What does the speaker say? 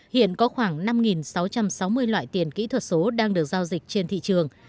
hiện có khoảng năm sáu trăm sáu mươi loại tiền kỹ thuật số đang được giao dịch trên thị trường